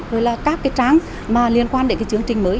rồi là các trang liên quan đến chương trình mới